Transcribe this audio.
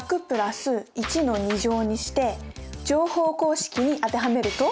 １００＋１の２乗にして乗法公式に当てはめると？